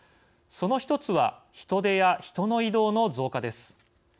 その一つは人出や人の移動の増加です。